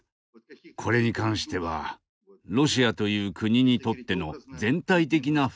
これに関してはロシアという国にとっての全体的な不幸の感覚